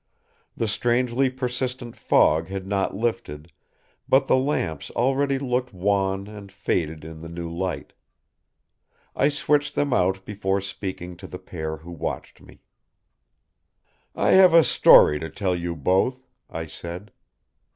The strangely persistent fog had not lifted, but the lamps already looked wan and faded in the new light. I switched them out before speaking to the pair who watched me. "I have a story to tell you both," I said.